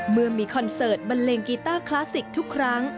เมื่อมีคอนเสิร์ตบันเลงกีต้าคลาสสิกทุกครั้ง